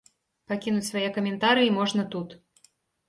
Пакінуць свае каментарыі можна тут.